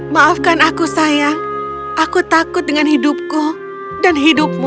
maafkan aku sayang aku takut dengan hidupku dan hidupmu